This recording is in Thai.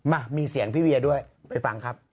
อ่ะมีเสียงพี่เวียด้วยไปฟังครับ